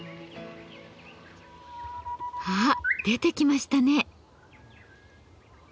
あっ出てきましたね。